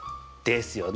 ですよね？